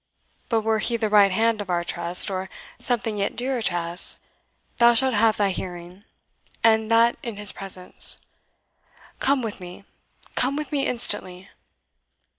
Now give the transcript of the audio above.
But were he the right hand of our trust, or something yet dearer to us, thou shalt have thy hearing, and that in his presence. Come with me come with me instantly!"